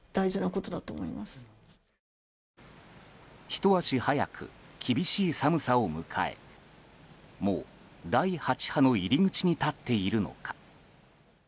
ひと足早く、厳しい寒さを迎えもう第８波の入り口に立っているのか。